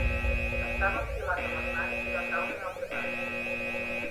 Estava enfilat a l'armari i va caure daltabaix.